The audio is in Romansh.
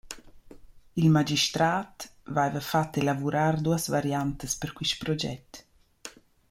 Il magistrat vaiva fat elavurar duos variantas per quist proget.